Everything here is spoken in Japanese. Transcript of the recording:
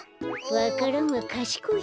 わか蘭はかしこい